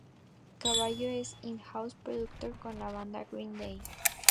Cavallo es un "in-house productor" con la banda Green Day.